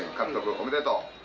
おめでとう！